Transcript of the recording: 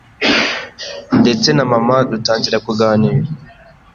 ndetse na Mama dutangira kuganira,